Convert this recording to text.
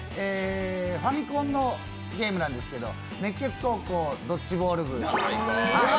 ファミコンのゲームなんですけど、「熱血高校ドッジボール部」。